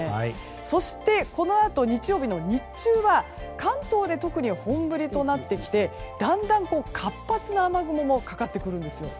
そして、このあと日曜日の日中は関東で特に本降りとなってきてだんだん活発な雨雲もかかってくるんです。